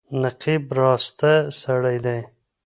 نقيب راسته سړی دی.